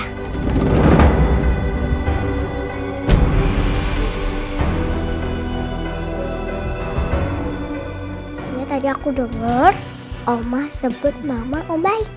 nanti tadi aku denger oma sebut mama om baik